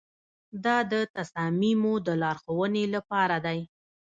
دا د تصامیمو د لارښوونې لپاره دی.